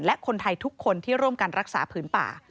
และคนไทยทุกคนที่ร่วมกันรักษาผืนป่า